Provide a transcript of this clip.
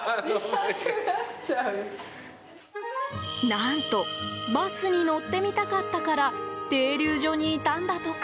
何とバスに乗ってみたかったから停留所にいたんだとか。